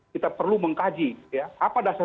kita perlu mengkaji ya apa dasar